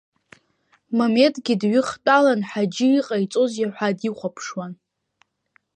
Мемедгьы дҩыхтәалан Ҳаџьы иҟаиҵозеи ҳәа дихәаԥшуан.